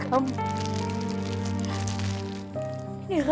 cuma bisa memberikan ini sama kamu